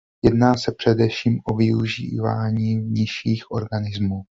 Jedná se především o využívání nižších organizmů.